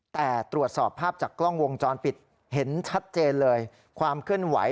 แต่ตรวจสอบภาพจากกล้องวงจรปิดเห็นชัดเจนเลยความเคลื่อนไหว